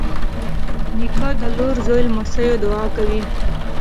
نیکه د لور، زوی، لمسيو دعا کوي.